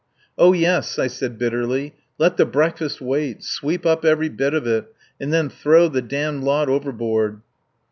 "Oh, yes," I said bitterly. "Let the breakfast wait, sweep up every bit of it, and then throw the damned lot overboard!"